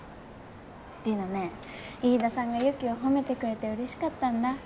リナね飯田さんが雪を褒めてくれてうれしかったんだ。